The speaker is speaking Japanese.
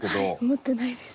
思ってないです。